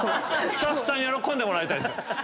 スタッフさん喜んでもらいたい。